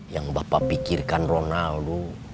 yang bapak pikirkan ronald